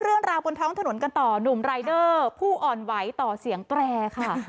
เรื่องราวบนท้องถนนกันต่อหนุ่มรายเดอร์ผู้อ่อนไหวต่อเสียงแตรค่ะ